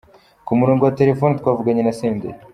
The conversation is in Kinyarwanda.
Ku murongo wa Telefone twavuganye na Senderi.